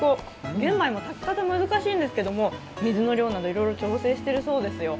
玄米も炊き方難しいんですけど水の量などいろいろ調整しているそうですよ。